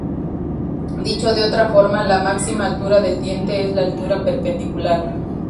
Dicho de otra forma, la máxima altura del diente es la altura perpendicular.